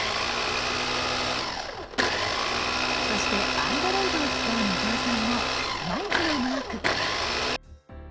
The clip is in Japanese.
そしてＡｎｄｒｏｉｄを使う野添さんもマイクのマーク。